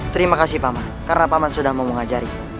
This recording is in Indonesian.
terima kasih pak mah karena pak mah sudah mengajari